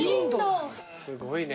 すごいね。